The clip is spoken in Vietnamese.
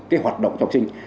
cái hoạt động cho học sinh